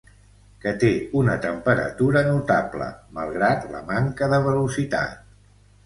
Que té una temperatura notable, malgrat la manca de velocitat.